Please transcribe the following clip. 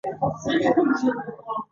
ایا زه باید ویسکي وڅښم؟